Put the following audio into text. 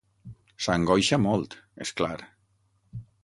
S'angoixa molt, és clar.